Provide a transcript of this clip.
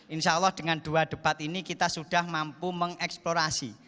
insya allah dengan dua debat ini kita sudah mampu mengeksplorasi